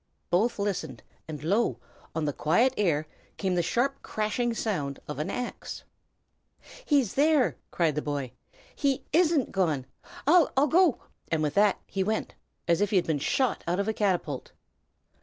Both listened, and, lo! on the quiet air came the sharp crashing sound of an axe. "He's there!" cried the boy. "He isn't gone! I'll go " and with that he went, as if he had been shot out of a catapult.